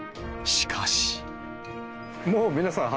しかし。